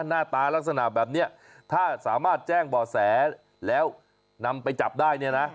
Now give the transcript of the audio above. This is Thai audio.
หน้าตาลักษณะแบบนี้ถ้าสามารถแจ้งบ่อแสแล้วนำไปจับได้เนี่ยนะ